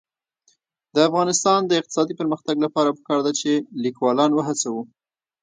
د افغانستان د اقتصادي پرمختګ لپاره پکار ده چې لیکوالان وهڅوو.